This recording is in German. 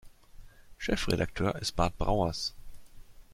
Chefredakteur ist Bart Brouwers.